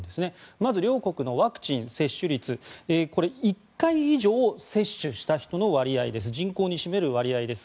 まず両国のワクチン接種率これは１回以上接種した人の人口に占める割合です。